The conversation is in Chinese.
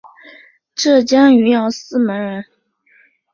浙江余姚泗门人。